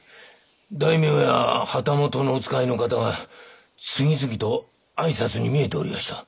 大名や旗本のお使いの方が次々と挨拶に見えておりやした。